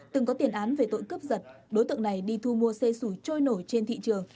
từng có tiền án về tội cướp giật đối tượng này đi thu mua xe sủi trôi nổi trên thị trường